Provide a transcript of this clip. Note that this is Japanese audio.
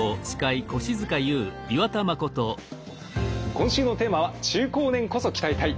今週のテーマは「中高年こそ鍛えたい！